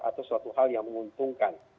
atau suatu hal yang menguntungkan